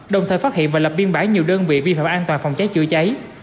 đồng thời phát hiện và lập biên bản nhiều đơn vị vi phạm an toàn phòng cháy chữa cháy